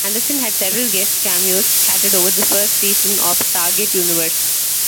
Anderson had several guest cameos scattered over the first season of "Stargate Universe".